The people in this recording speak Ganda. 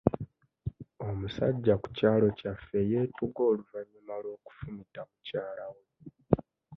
Omusajja ku kyalo kyaffe yeetuga oluvannyuma lw'okufumita mukyala we.